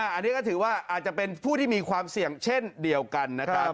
อันนี้ก็ถือว่าอาจจะเป็นผู้ที่มีความเสี่ยงเช่นเดียวกันนะครับ